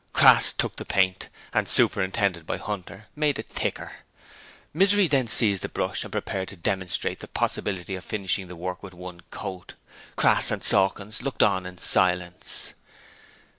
Crass took the paint, and, superintended by Hunter, made it thicker. Misery then seized the brush and prepared to demonstrate the possibility of finishing the work with one coat. Crass and Sawkins looked on in silence.